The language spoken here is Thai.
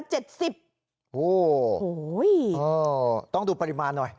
โอ้โหต้องดูปริมาณหน่อย